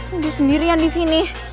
gue sendirian disini